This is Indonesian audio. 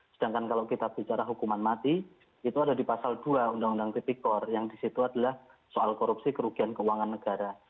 sedangkan kalau kita bicara hukuman mati itu ada di pasal dua undang undang tipikor yang disitu adalah soal korupsi kerugian keuangan negara